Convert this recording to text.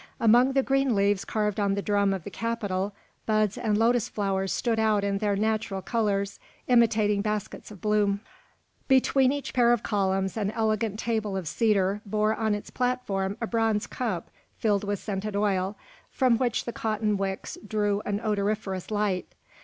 Among the green leaves carved on the drum of the capital, buds and lotus flowers stood out in their natural colours, imitating baskets of bloom. Between each pair of columns an elegant table of cedar bore on its platform a bronze cup filled with scented oil, from which the cotton wicks drew an odoriferous light.